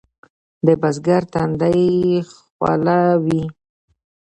د بزګر تندی خوله وي.